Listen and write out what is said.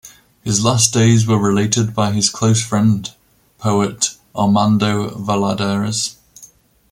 His last days were related by his close friend, poet Armando Valladares.